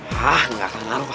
hah gak akan ngaruh pak